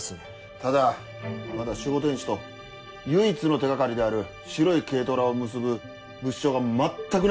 ただまだ守護天使と唯一の手掛かりである白い軽トラを結ぶ物証が全くない。